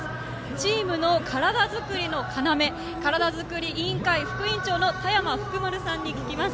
チームの体づくりの要体づくり委員会副委員長のたやまふくまるさんに聞きます。